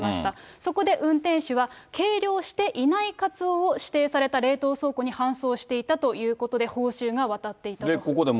そこで運転手は、計量していないカツオを指定された冷凍倉庫に搬送していたということで、報酬が渡っていたということです。